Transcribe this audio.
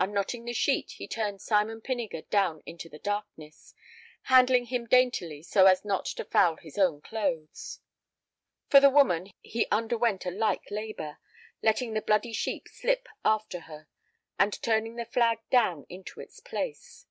Unknotting the sheet, he turned Simon Pinniger down into the darkness, handling him daintily so as not to foul his own clothes. For the woman he underwent a like labor, letting the bloody sheet slip after her, and turning the flag down into its place.